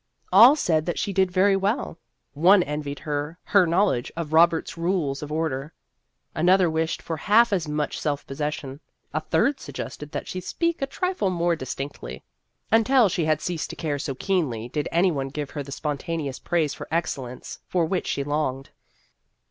All said that she did very well ; one envied her her knowledge of Roberts's Rules of Order ; another wished for half as much self possession ; a third suggested that she speak a trifle more distinctly. Not 54 Vassar Studies until she had ceased to care so keenly did any one give her the spontaneous praise for excellence for which she longed.